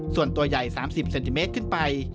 ส่วนใหญ่๓๐เซนติเมตรขึ้นไป